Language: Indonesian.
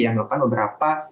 yang melakukan beberapa